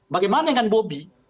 bagaimana dengan bobi